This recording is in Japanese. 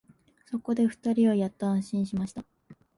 そこで二人はやっと安心しました